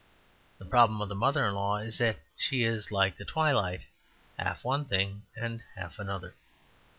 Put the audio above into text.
The problem of the mother in law is that she is like the twilight: half one thing and half another.